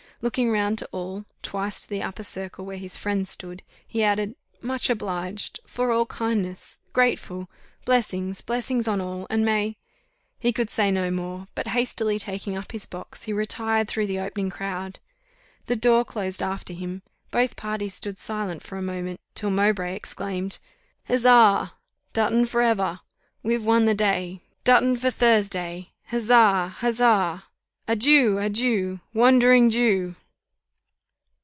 Looking round to all, twice to the upper circle, where his friends stood, he added, "Much obliged for all kindness grateful. Blessings! Blessings on all! and may " He could say no more; but hastily taking up his box, he retired through the opening crowd. The door closed after him. Both parties stood silent for a moment, till Mowbray exclaimed, "Huzza! Dutton for ever! We've won the day. Dutton for Thursday! Huzza! Huzza! Adieu! Adieu! _Wandering Jew!